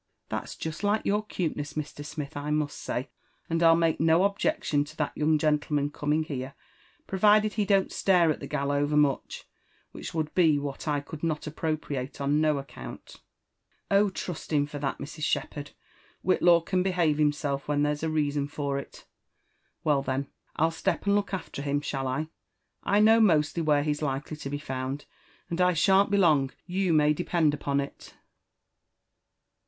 " That's jest like yQur 'cuteness, Mr, Smith, I must say ; aad I'll make na objecUou ta that young gentleman coming hexe, provided be don't stare at the gaJl over^mucbr which would ha what I could not l|tpvQhate on no account/' '* Oh,, trust him for that, Mrs, Shepherd ; Whitlaw can behave him letf whei^ there'ai a reason for it. W<^, then,» rU step and look aflev bixn, %hall I?^l know mostly where he's likely to ha found, and I shan't be long, you may depend upon it